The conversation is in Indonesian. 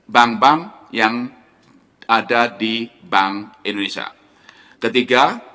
bank bank yang ada di bank indonesia ketiga